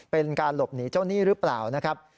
เป็นการหลบหนีเจ้าหนี้หรือเปล่านะครับ